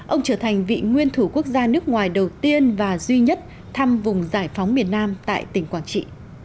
ông trở thành vị nguyên thủ quốc gia nước ngoài đầu tiên và duy nhất thăm vùng giải phóng miền nam tại tỉnh quảng trị